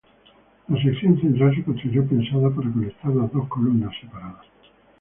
La sección central se construyó pensada para conectar las dos columnas separadas.